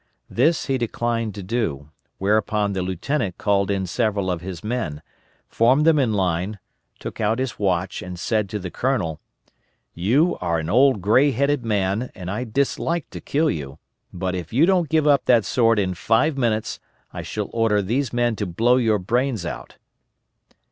This he declined to do, whereupon the lieutenant called in several of his men, formed them in line, took out his watch and said to the colonel, "You are an old gray headed man, and I dislike to kill you, but if you don't give up that sword in five minutes, I shall order these men to blow your brains out."